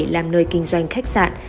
làm nơi kinh doanh khách sạn